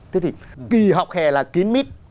thế thì kỳ học hè là kín mít